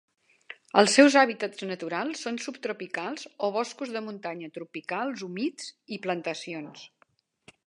Els seus hàbitats naturals són subtropicals o boscos de muntanya tropicals humits i plantacions.